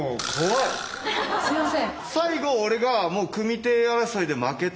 すいません。